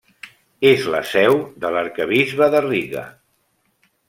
És la seu de l'arquebisbe de Riga.